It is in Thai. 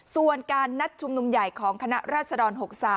ส่วนการนัดชุมนุมใหญ่ของคณะราษฎร๖๓